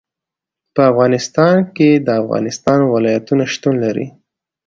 په افغانستان کې د افغانستان ولايتونه شتون لري.